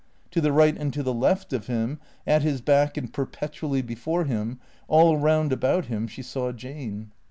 To the right and to the left of him, at his back and perpetually before him, all round about him she saw Jane.